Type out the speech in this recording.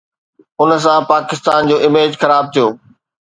ان سان پاڪستان جو اميج خراب ٿيو.